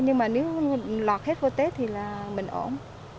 nhưng mà nếu lọt hết vô tết thì là mình ổn